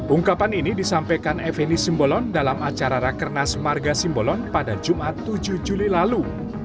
ungkapan ini disampaikan efeni simolon dalam acara rakerna semarga simolon pada jumat tujuh juli lalu